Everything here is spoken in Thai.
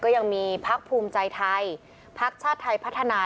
ก็ยังมีพักภูมิใจไทยพักชาติไทยพัฒนา